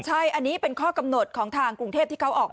ใช่อันนี้เป็นข้อกำหนดของทางกรุงเทพที่เขาออกมา